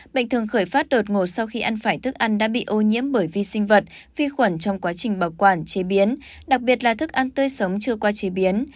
bệnh thường khởi phát đột ngột sau khi ăn phải thức ăn đã bị ô nhiễm bởi vi sinh vật vi khuẩn trong quá trình bảo quản chế biến đặc biệt là thức ăn tươi sống chưa qua chế biến